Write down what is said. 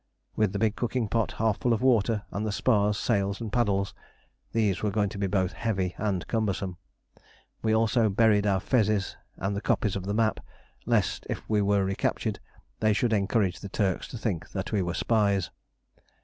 With the big cooking pot half full of water, and the spars, sails, and paddles, these were going to be both heavy and cumbersome. We also buried our fezes and the copies of the map, lest, if we were recaptured, they should encourage the Turks to think that we were spies.